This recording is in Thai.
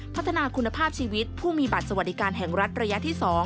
พัฒนาคุณภาพชีวิตผู้มีบัตรสวัสดิการแห่งรัฐระยะที่๒